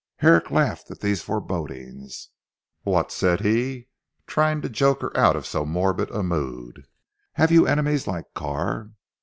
Herrick laughed at these forebodings. "What!" said he trying to joke her out of so morbid a mood, "have you enemies, like Carr?"